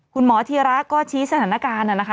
คุณหมอธีระก็ชี้สถานการณ์นะนะคะ